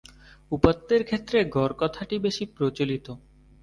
উপাত্তের ক্ষেত্রে গড় কথাটি বেশি প্রচলিত।